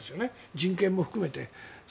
人権も含めて。